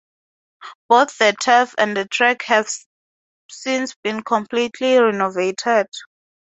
Both the turf and the track have since been completely renovated.